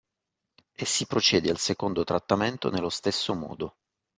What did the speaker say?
E si procede al secondo trattamento nello stesso modo.